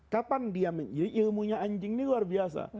kapan dia menjadi ilmunya anjing ini luar biasa